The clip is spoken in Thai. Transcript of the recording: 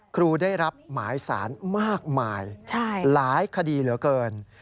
ครูได้รับหมายสารมากมายหลายคดีเหลือเกิน